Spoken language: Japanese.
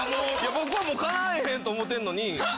僕はもう敵えへんと思ってんのに。